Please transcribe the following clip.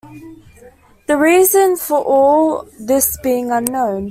The reason for all this being unknown.